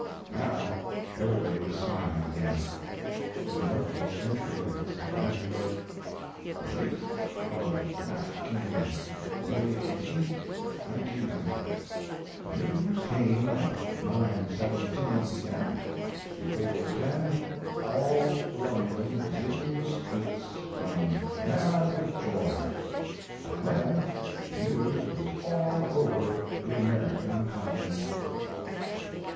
Now everybody was smiling again. In a note book entry of this time he wrote: Relief of Mafeking (May 18, 1900). The news came at 9.17 P.M. Before 10 all London was in the streets, gone mad with joy. By then the news was all over the American continent.